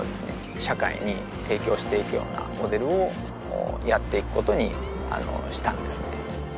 社会に提供していくようなモデルをやっていくことにしたんですね